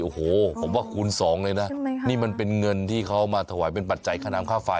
โอ้โหผมว่าคูณสองเลยนะนี่มันเป็นเงินที่เขามาถวายเป็นปัจจัยค่าน้ำค่าไฟ